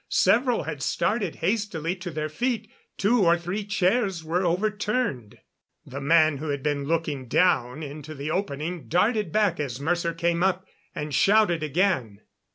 Several had started hastily to their feet; two or three chairs were overturned. The man who had been looking down into the opening darted back as Mercer came up, and shouted again.